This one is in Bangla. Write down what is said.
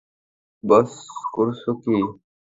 বস, করছ কী?